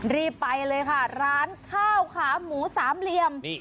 รีบไปเลยค่ะร้านข้าวขาหมูสามเหลี่ยม